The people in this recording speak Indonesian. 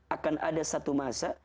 akan ada satu masa